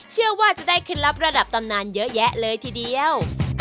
เชื่อว่าจะได้เคล็ดลับระดับตำนานเยอะแยะเลยทีเดียว